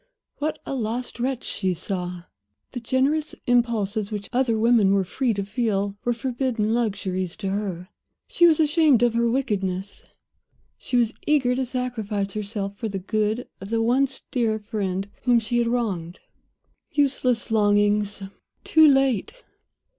What a lost wretch she saw! The generous impulses which other women were free to feel were forbidden luxuries to her. She was ashamed of her wickedness; she was eager to sacrifice herself, for the good of the once dear friend whom she had wronged. Useless longings! Too late!